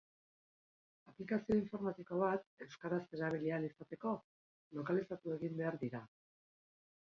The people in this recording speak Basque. Aplikazio informatiko bat euskaraz erabili ahal izateko, lokalizatu egin behar dira.